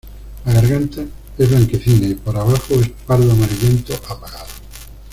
La garganta es blanquecina y por abajo es pardo amarillento apagado.